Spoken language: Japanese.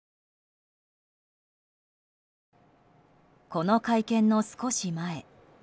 この会見の少し前。